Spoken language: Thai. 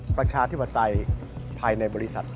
ประชาธิปไตยภายในบริษัท